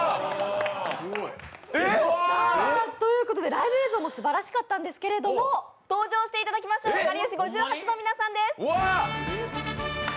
ライブ映像もすばらしかったんですけれども、登場していただきましょう、かりゆし５８の皆さんです。